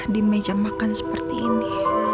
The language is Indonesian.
di meja makan seperti ini